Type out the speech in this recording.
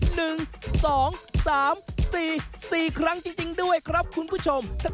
หนึ่งสองสามสี่สี่ครั้งจริงจริงด้วยครับคุณผู้ชม